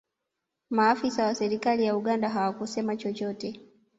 maafisa wa serikali ya uganda hawakusema chochote